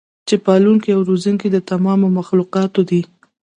چې پالونکی او روزونکی د تمامو مخلوقاتو دی